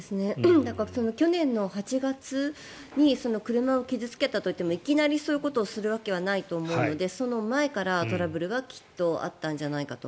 だから去年の８月に車を傷付けた時もいきなりそういうことをするわけはないと思うのでその前からトラブルがきっとあったんじゃないかと。